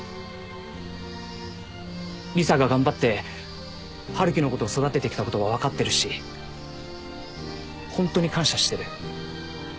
理沙が頑張って春樹のことを育ててきたことは分かってるしホントに感謝してる。